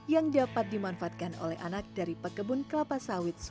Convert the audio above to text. yang dapat dimanfaatkan oleh anak dari pekebun kelapa sawit